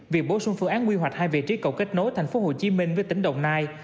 việc bổ sung phương án quy hoạch hai vị trí cầu kết nối tp hcm với tỉnh đồng nai